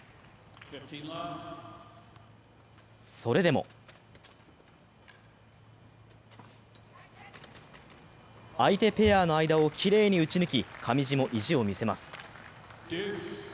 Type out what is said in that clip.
それでも相手ペアの間をきれいに打ち抜き、上地も意地を見せます。